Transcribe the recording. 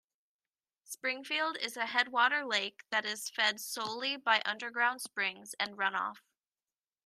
Springfield is a headwater lake that is fed solely by underground springs and runoff.